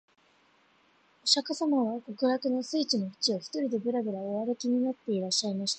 御釈迦様は極楽の蓮池のふちを、独りでぶらぶら御歩きになっていらっしゃいました